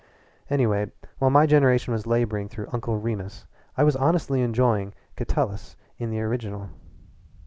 Anyway, while my generation was laboring through Uncle Remus I was honestly enjoying Catullus in the original.